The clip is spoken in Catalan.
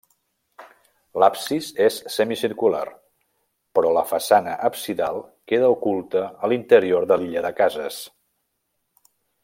L'absis és semicircular però la façana absidal queda oculta a l'interior de l'illa de cases.